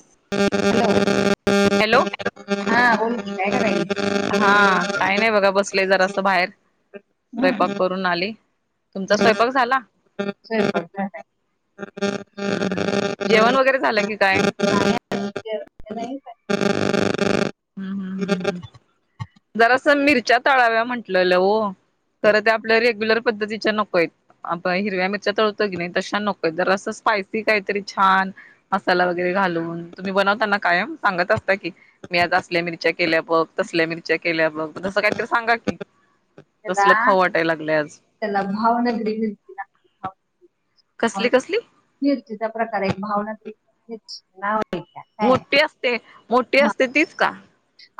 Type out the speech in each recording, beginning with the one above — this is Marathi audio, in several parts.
[inaudible] हॅलो? हा, बोल की काय करायलिस? हा काही नाही बघा बसललोय जरा असं बाहेर हम्म, स्वयंपाक करून आली तुमचा स्वयंपाक झाला? हम्. हम्म हम् [unintelligible] जेवण वगैरे झालं की काय? नाही पण हम्म. हम्. हम्म. हम्, जराश्या मिरच्या तळाव्या म्हंटलेल् हो खर ते आपल्या रेग्युलर पद्धतीच्या नकोयत आपण हिरव्या मिरच्या तळतो की नाही तशा नकोय जरास स्पायसी काहीतरी छान, मसाला वगैरे घालून, तुम्ही बनवताना काय सांगत असता की मी आज असल्या मिरच्या केल्या बघ, तसल्या मिरच्या केल्या बघ, तसं काहीतरी सांगा की त्याला कसलं खाऊ वाटाय लागलं आज. त्याला भावनगरी मिरची लागते कसली, कसली मिरचीच्या प्रकारे एक भावना [unintelligible] मोठी असते मोठी हा. असते तीच का?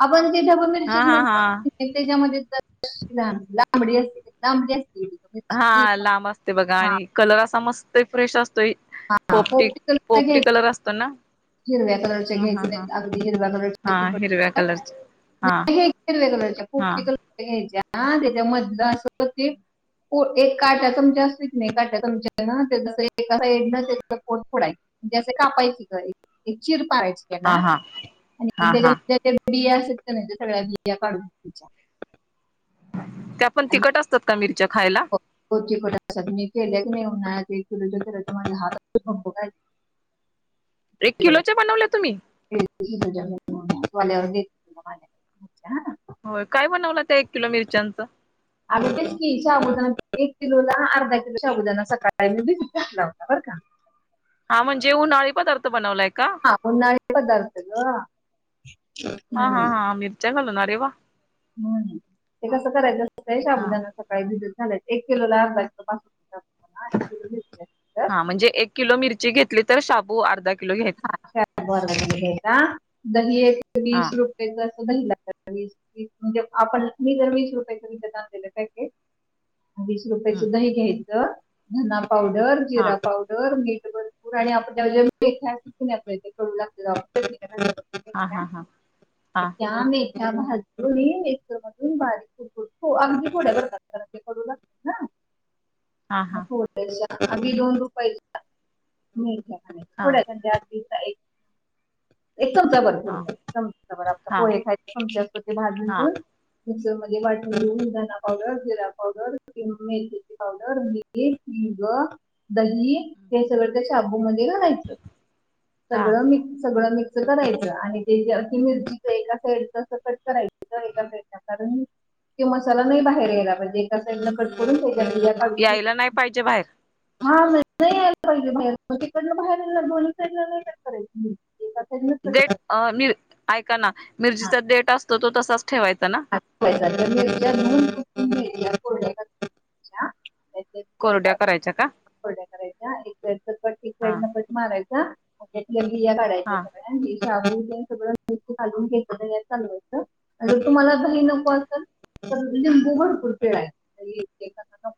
आपण मि हा हा हा [unintelligible] त्याच्यामध्ये लांबडी असते लांबडी असते. ती मिरची हा लांब असते बघा, हा आणि कलर असा मस्त फ्रेश असतोय. हा पोपटी कलरच्या पोपटी घ्यायच्या कलर असतो ना? हिरव्या कलरच्या ह घ्यायच हा नाही हा अगदी हिरव्या कलरच्या हा हिरव्या तिखट कलरचे हा [unintelligible] हा घ्यायच्या त्याच्या मधलं असं ते एक काट्या चमचा असतोय की नई, काट्या चमचा न तेज एका साइड पोट फोडायच. म्हजे असं कापायची [unintelligible] चिर पाडायची तेला हा हा हा आणि हा तेला बिया असत्यात क नई त्या सगळ्या बिया्या काढून घ्यायच्या. त्या पण आणि तिखट असतात का मिरी [unintelligible] [inaudible] [unintelligible] एक चिकट किलोच्या असतात बनवल्या तुम्ही? [unintelligible] [inaudible] होय, काय बनवला त्या एक किलो मिरच्यांच अगं तेच की शाबुदाना एक किलोला अर्धा किलो शाबुदाना सकाळी मी भीजत घातला होता बर का. [inaudible] हा म्हणजे उन्हाळी पदार्थ बनवलाय का हा उन्हाळी पदार्थ गं. हा. हा. हा. मिर्च्या घालून अरे वा. हम ते कसं करायचंस ते हा शाबुदाना सकाळी भीजत [unintelligible] हा म्हणजे एक किलो मिरची घेतली तर शाबू अर्धा किलो घ्यायचा [unintelligible] [unintelligible] हा म्हणजे आपण मी जर वीस रुपये विकत आणलेलं पॅकेट- - वीस हम्म रुपयेचं दही घ्यायचं. धना पावडर, हा जिरा पावडर, मीठ भरपूर आणि आप त्या [unintelligible] करू लागतातं [unintelligible] हा हा हा हा. त्या भाजी मिक्सर मधून बारीक [unintelligible] अगदी थोड्या बरका कारण ते कडु लागतात. [inaudible] हा हा [unintelligible] आधि दोन रुपयच्या [unintelligible] हा. आधिचा एक - - एक चमचाभर हा थोडस चमचाभर आपलं हा पोहे खायचा चमचा तो भाजून हा घेवुन - - मिक्सर मध्ये वाटुन घेऊन. धना पावडर, जिरा पावडर कि मेथिची पावडर [unintelligible] हिंग, दही हे सगळ त्या शाबुमध्ये घालायचं. हा सगळं मि सगळं मी क्स करायचं आणि ते मिरचीच एका साईड कट करायच. एका साईडला कारण कि मसाला नाही बाहेर यायला पाहिजे. एका साईडला कट करून तेज्यात यायला नाही पाहिजे बाहेर [unintelligible] हा इथं यायला पाहिजे बाहेर तिकडनं बाहेर ये [unintelligible] देट, ऐका ना मिरचीचा देट असतो तो तसाच ठेवायचा ना? [unintelligible] त्याच्यात बिया कोरड्या का- करायच्या का? कोरड्या हा [unintelligible] मारायचा त्यातल्या बिया काढायच्या हा सगळ्या. [unintelligible] पण लिंबू भरपूर पिळायचा. [unintelligible]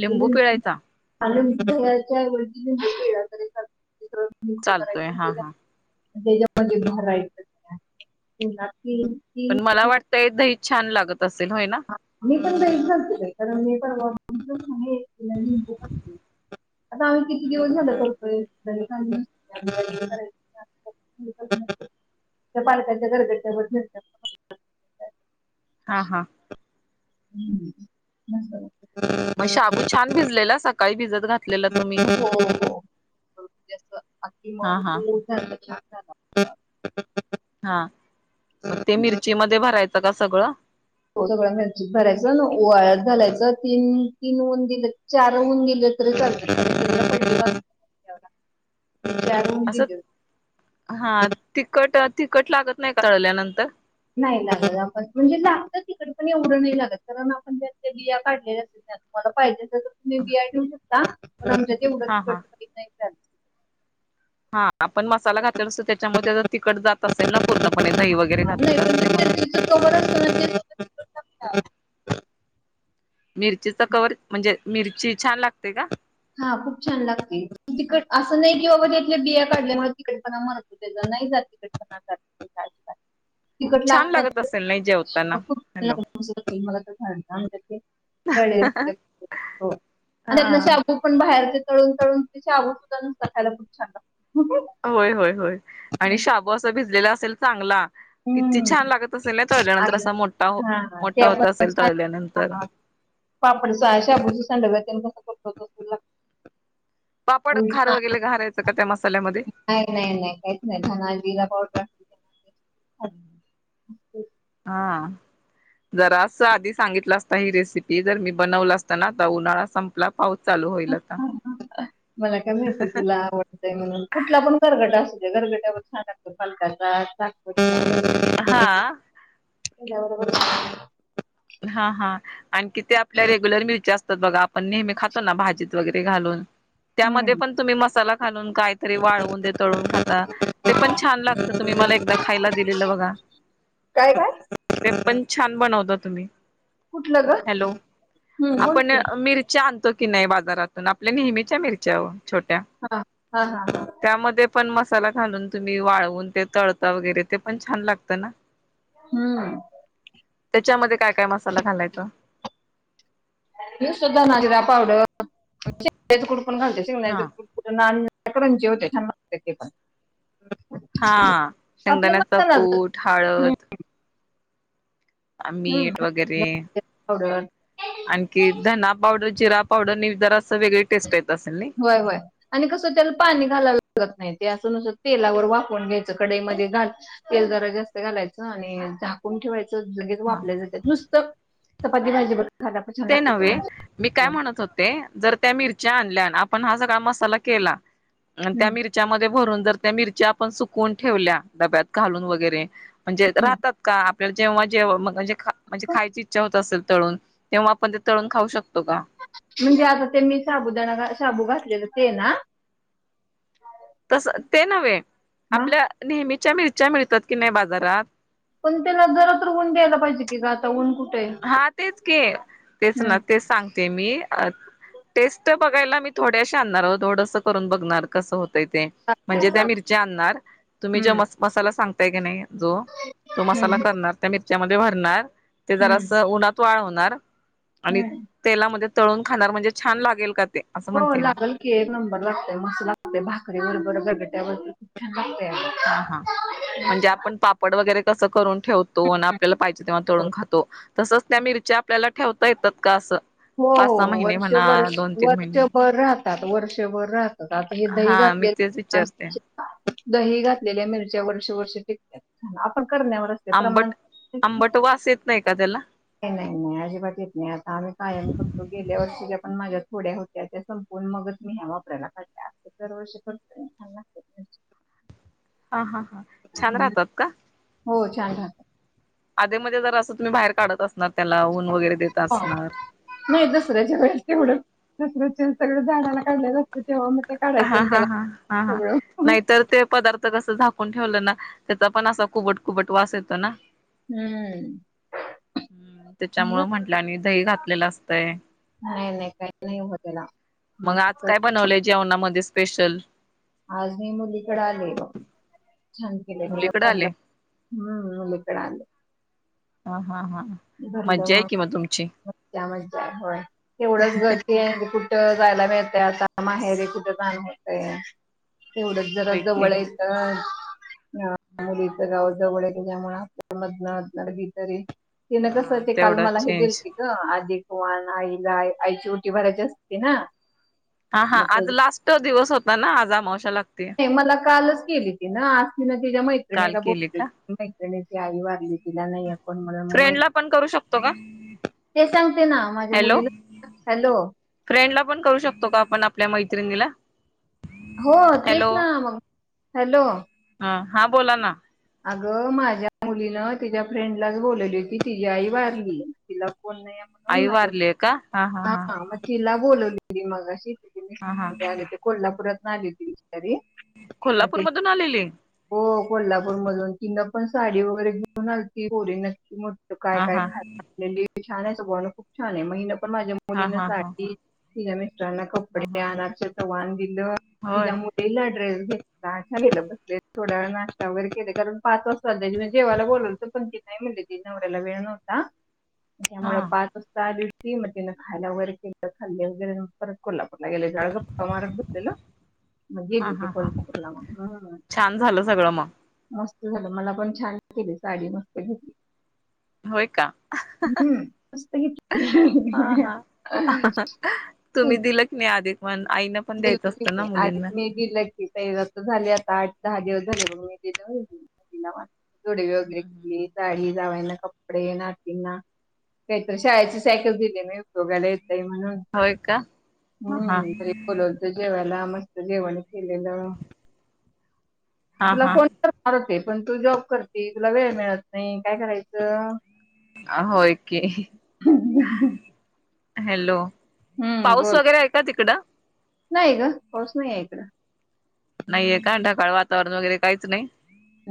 लिंबू पिळायचा [unintelligible] करायच चालतोय हा हा त्याच्यामध्ये [unintelligible] तीन पण मला वाटतंय दही छान लागत असेल होयना? मी पण दहीच करतोय बाई कारण मी पण [unintelligible] आणि एक लिंबू पाणी [inaudible] आता आम्ही किती दिवस झाल करतोय. [unintelligible] त्या पालक काय गरगरीत होत नसतं. हा हा. हम्म म. नाच बरं. मग शाबू छान भिजलेलं सकाळी भिजत घातलेला तुम्ही. हे असं अगदी हा मऊ हा सूत झालं घालवा. [inaudible] हा मग ते मिरची मध्ये भरायचं गा सगळं? हो सगळ्या मिरचित भरायचं अन वाळत घालायचं. तीन-तीन ऊन दिलं. चार ऊन दिल इकडे चाललंय [unintelligible] पणजीकडे त्या बघा. असंच [inaudible] हा तिखट तिखट लागत नाही का तळल्यानंतर? नाही लागत. आपण म्हणजे लागत तिखट पण एवढं नाही लागत. कारण आपण त्यात त्या बिया काढलेल्या असेल. तुम्हाला पाहिजे असेल तर तुम्ही बी आय ठेऊ शकता. पण आमच्या इथे उगाच हा [unintelligible] हा कधीच नाही चालत. हा आपण मसाला घातलेला असतो त्याच्यामुळे त्याच तिखट जात असेल ना पूर्णपणे दही वगैरे घातलेलं असतय म्हणून. समोरच [unintelligible] मिरचीचा कवर म्हणजे मिरची छान लागते का? हा खूप छान लागते, तिखट असं नाही की बाबा इथल्या बिया काढल्यामुळे तिखटपणा मरत असत [unintelligible] नाही जातन तिखटपणा [unintelligible] तिकट छान लागत लागतात असेल नाही जेवताना. खूप हॅलो [unintelligible] तळे जातात. हो आणि त्यातले हा शाबू पण बाहेरचे तळून तळून ते शाबू सुद्धा गरम खायला खूप छान लागता. होय होय होय आणि शाब असा भिजलेला असेल चांगला. किती हम्म. छान लागत असेल ना तळल्यानंतर आज असा मोठा हां. मोठा होत असेल तळल्यानंतर. पापडचा आशाभुजीसांडव्या त [unintelligible] पापड खार वगैरे घालायचं का मस् नाही नाही नाही काहीच नाही धना जिरा पावडर. हा हा. जरा अस आधी सांगितलं असता ही रेसिपी जर मी बनवलं असता ना आता उन्हाळा संपला. पाऊस चालू होईल आता. मला काय माहिती तुला आवडतं ते म्हणून कुठला पण गरगट असू गरगट्यावर छान लागतो पालकाचा हा [unintelligible] तुझ्या बरोबर. हा हा आणखी ते आपल्या रेग्युलर मिरच्या अस यात बघा आपण नेहमी खातो ना भाजीत वगैरे घालून त्यामध्ये हम्म. पण तुम्ही मसाला घालून काहीतरी वाळवून ते तळून खाता ते पण छान लागतं तुम्ही मला एकदा खायला दिलेलं बघा. काय काय ते पण छान बनवता तुम्ही. कुठलं ग हॅलो हम्म बोल आपण की मिरच्या आन तो की नाही बाजारातून आपल्या नेहमीच्या मिरच्या बा हा हा हा. त्यामध्ये पण मसाला घालून तुम्ही वाळवून ते तळता वगैरे ते पण छान लागतं ना. हम्म. त्याच्यामध्ये काय काय मसाला घालायचा. मी सुद्धा नुस्तं धनाजीरा पावडर. शेंगदाण्याचा कूट पण घालते हा शेंगदाण्याचा कूटन [unintelligible] होते छान लागते ती पण. हा आपलं शंगदानाचा मसाला कूट, हळद, मीठ वगैरे पावडर आणखी धना पावडर जिरा पावडर निर होय होय आणि कसं त्याला पाणी घालावं लागत नाहीत. ते असूनं नुस्तं तेलावर वाफुन घ्यायचं, कडाईमध्ये घाल तेल जरा जास्त घालायचं, आणि झाकून ठेवायचं. लगेच व हा आपल्या जातात नुस्तं, चपाती भाजी बरबर ते नव्हे मी काय म्हणत होते जर त्या मिर मिरच्या आणल्याण आपण हा सगळा मसाला केला, अण हम्म. त्या मिरच्यांमध्ये भरून जर त्या मिरच्या आपन सुकून ठेवल्या डब्यात घालून वगरे म्हणजे राहतात का? जेव्हा जेे म्हजे खायची इच्छा होत असेल तळून तेव्हा आपण ते तळून खाऊ शकतो. का म्हणजे आता ते मी साबुदाणा घा साबू घातलेलं ते ना. तस ते नव्हे मग आपल्या नेहमीच्या मिरच्या मिळतात की नाही बाजारात. पण त्याला जरा तर ऊन द्यायला पाहिजे कि ग आता ऊन कुठ हा तेच की तेच ना तेच सांग ते मी टेस्ट बघायला मी थोड्याशी आणणार थोडस करून बघणार कस होत. यते चालतंय म्हणजे त्या चालतंय. मिरच्या आणणार तुम्ही हम्म जे म मसाला सांगताय की नाही. जो तो मसाला हम्म करणार त्या मिरच्यामध्ये भरणार ते जरा हम्म अस उन्हात वाळून नाय आणि हम्म तेलामध्ये तळून खाणार म्हणजे छान लागेल का? ते असं हो म्हणते मी लागल की एक नंबर लागतय मस्त लागतय भाकरी बरोबर गरगट्याबरबर. हा हा. म्हणजे लागतंय. आपण पापड वगैरे कसं करून ठेवतो. आण आपल्याला पाहिजे तेव्हा तळून खातो. तसंच त्या मिरच्या आपल्याला ठेवता येतात का? असं. हो पाच सहा महिने वर्ष म्हणा वर्ष दोन तीन महिने वर्षभर राहतात, वर्षभर राहतात. रात्री दही हा मी तेच घातलेलं विचारते [unintelligible] दही घातलेल्या मिरच्या वर्ष-वर्ष टिकत्यात. आपण करण्यावर असते प्रमाण. आंबट [inaudible] आंबट वास येत नाही का त्याला नाही नाही, अजिबात येत नाही आता आम्ही कायम करतो गेल्या वर्षीच्या पण माझ्या थोड्या होत्या त्या संपवून मगच मी ह्या वापरायला काढल्या, आता दरवर्षी करतो छान लागते. हा हा हा, छान राहतात का? हो छान राहतात. आधी मध्ये जर असं तुम्ही बाहेर काढत असणार त्याला ऊन वगैरे देत ह असणार नाही दसऱ्याच्या वेळेस तेवढच, दसऱ्याच्या ह्यानी सगळं झाडायला काढल हा हा हा हा हा, सगळं नाहीतर ते पदार्थ कसं झाकून ठेवलं ना त्याचा पण असा कुबट कुबट वास येतो ना. हम्म हम्म, नाही होत त्याच्यामुळं म्हंटलं आणि दही घातलेलं असतंय. नाही नाही, काही नाही होत त्याला मस्त म ते स्पेशल आज मी मुलीकडं आले. छान केली तिनं मुलीकडे आले भरलं, हम्म मुलीकडे आले. हा हा हा. भरलं मज्जा आहे वांग कि मग तुमची मज्जा मज्जा होय तेवढंच करती आणि कुठं जायला मिळते आता माहेरी कुठं जाणं होतंय. तेवढच जरा होय की जवळ यायचं मुलीचं गाव जवळ त्याच्यामुळं अधनं मधनं कधीतरी, तिनं हा कसं ते काल तेवढाच मला हे चेंज दिलते गं, आधी वान आईला, आईची वटी भरायची असते ना. हा हा, आज नाही लास्ट दिवस होता ना आज आमावश्याला. तेन मला कालच केेली तिनं, आज तिन तिच्या काल मैत्रिणीला केली का बोलवलं त्यानी ती आई वारली तिला नाही कोण म्हणून मग मै फ्रेंड ला पण करू शकतो का? ते सांगते ना माझ्या हॅलो मुलीला हॅलो फ्रेंडला पण करू शकतो का आपण आपल्या मैत्रिणीला? हो, तेच हॅलो ना मग हॅलो! ह हा बोला ना. अगं माझ्या मुलीनं तिच्या फ्रेंडलाच बोलवली होती, तिजी आई वारली तिला [unintelligible] हा म तिला बोलवली. मगाशी हा हा [unintelligible] आणि कोल्हापुरातनं आली ती. तरी म कोल्हापूर ती मधून आलेली हो कोल्हापूर मधून तिनं पण साडी वगैरे घेऊन आलती पोरीनं काय हा काय हा खायला आणलेली छान आहे, बघ खूप छान आहे म हीनं पण माझ्या हा मुलीनं हा हा साडी तिच्या मिस्टरांना हा कपडे, हा आणचं तर वाण दिलं होय तिच्या मुलीला ड्रेस [unintelligible] बसले थोड्या वेळा नाश्ता वगैरे केले कारण पाच वाजता त्यानी म जेवायला बोलवलं होतं, पण ती नाही म्हणली तिच्या नवऱ्याला वेळ नव्हता. हा त्यामुळं पाच वाजता आली होती मग तिनं खायला वगैरे केलं खाल्ले वगैरे मग परत कोल्हा पूरला गेले, जरा गप्पा मारत बसलेलो, मग हा गेली ती हा हा कोल्हापूरला मग, हम्म. छान झालं सगळं मग मस्त झालं, मला पण छान केली साडी मस्त घेतली. होय का? हम्म, मस्त हा घेतली. हा तू तुम्ही दिलं की नाही आधी? पण आईनं पण द्यायचं दिलं असतं ना की, आधी मुलींना मी दिलं की. ते आता झाले आता आठ दहा दिवस झाले मग मी दिलं, मग तिनं दिलं मला. तुडीवी वगैरे केली साडी कपडे नातींना काहीतरी शाळेची सायकल दिले नाही उद्योगाला म्हणून होय का ह हा हम्मरी जेवयला मस्त जेवन केलेलं तुला हा फोन करणार होती मी पण तू जॉब करते तुला वेळ मिळत नाही काय करायचं होय की हॅलो हम्म पाऊस बोल वगैरे आहे का तिकडं नाही ग पाऊस नाही आहेक नाहीये का ढकाळ वातावरण वगैरे काहीच नाही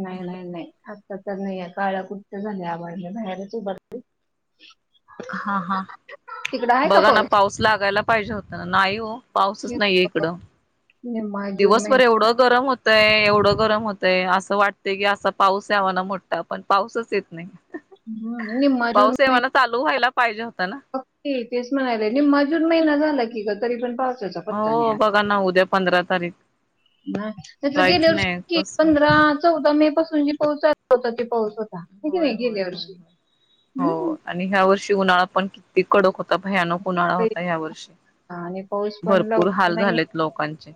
नाही नाही नाही आत्ता तर नाहीय काळ कुठठ झाल्या माहिजे बाहेरच उभ [inaudible] हा हा बघा ना पाऊस लागायला पाहिजे होता ना नाही हो पाऊसच नाहीये इकडं निम्मा जून दिवसभर महिना एवढं गरम होत य एवढं गरम होतय असं वाटतय की असा पाऊस यावा ना मोठा पण पाऊसच येत नाही हम निम्मा जून पाऊस महिन येवाना चालू व्हायला पाहिजे ना तेच म्हणाला निम्मा जून महिना झाला की ग तरी पण पा हो बघा ना उद्या पंधरा तारीख ब नाही गेल्या जायचं नाही वर्षी कसं पंधरा चौदा मे पासून जी पाऊसला होता ती पाऊस हो होय होय होयय हो हम्म. आणि ह्या वर्षी उन्हाळा पण किती कडक होता भयानक उन्हाळा होता या वर्षी आणि पाऊस [inaudible] भरपूर हाल झालेत लोकांचे,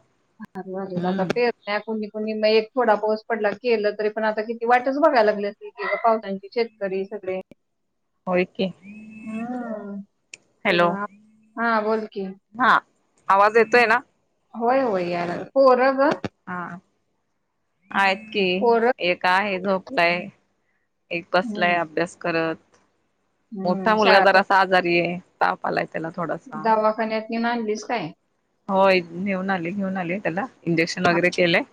हर बार मे जादा हम्म पे प्या कुणी कुणी नहीं थोडा पोस पडला की केलं तरी पण आता किती वाटच बघाय लागलात की क पावसांची शेतकरी सगळे. होय की हम्म, हॅलो [unintelligible] हा बोल कि? हा आवाज येतोय ना? होय होय या लागलं. पोरग हा, आहेत कि पोरं एक का आहे झोपलय. एक बसलाय हम्म. अभ्यास करत. मोठा हम्म. मुलगा शाळा तर जरासा आजारी हे, तापा आलाय त्याला थोडासा. नीम आनलीस काय? होय, नेऊन आले घेऊन आले त्याला इंजेक्शन वगैरे केलंय.